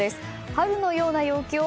春のような陽気を